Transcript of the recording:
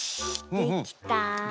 できた？